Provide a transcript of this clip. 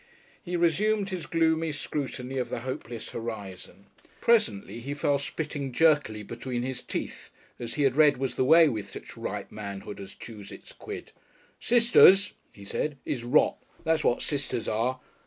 He resumed his gloomy scrutiny of the hopeless horizon. Presently he fell to spitting jerkily between his teeth, as he had read was the way with such ripe manhood as chews its quid. "Sisters," he said, "is rot. That's what sisters are.